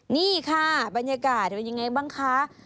นี่ค่ะบรรยากาศเป็นยังไงบ้างคะ